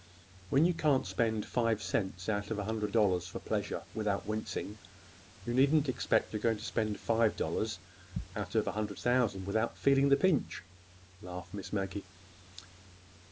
When you can't spend five cents out of a hundred dollars for pleasure without wincing, you needn't expect you're going to spend five dollars out of a hundred thousand without feeling the pinch," laughed Miss Maggie.